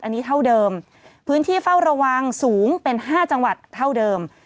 อันนี้เท่าเดิมพื้นที่เฝ้าระวังสูงเป็น๕จังหวัดเท่าเดิม